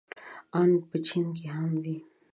ان که په چين کې هم وي.